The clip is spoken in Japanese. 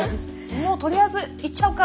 もうとりあえず行っちゃおうか！